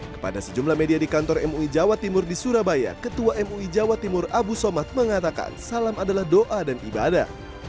kepada sejumlah media di kantor mui jawa timur di surabaya ketua mui jawa timur abu somad mengatakan salam adalah doa dan ibadah